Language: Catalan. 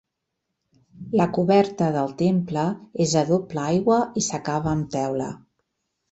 La coberta del temple és a doble aigua i s'acaba amb teula.